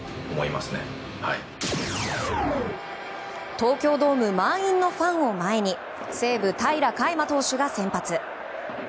東京ドーム満員のファンを前に西武、平良海馬投手が先発。